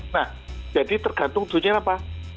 nah jadi tergantung tujuannya apa